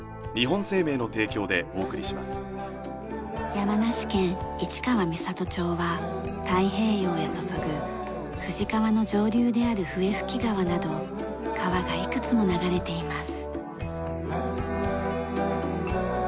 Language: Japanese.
山梨県市川三郷町は太平洋へ注ぐ富士川の上流である笛吹川など川がいくつも流れています。